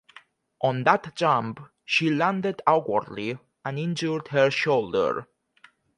On that jump, she landed awkwardly and injured her shoulder.